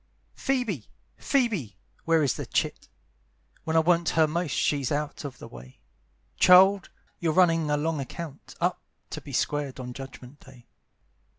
"PHOEBE! Phoebe! Where is the chit? When I want her most she's out of the way. Child, you're running a long account Up, to be squared on Judgment day.